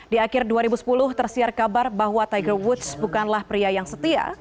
di akhir dua ribu sepuluh tersiar kabar bahwa tiger woods bukanlah pria yang setia